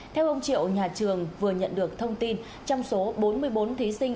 theo ông triệu nhà trường vừa nhận được thông tin trong số bốn mươi bốn thí sinh